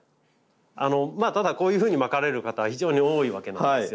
まあただこういうふうにまかれる方非常に多いわけなんですよ。